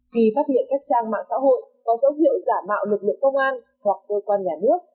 khi phát hiện các trang mạng xã hội có dấu hiệu giả mạo lực lượng công an hoặc cơ quan nhà nước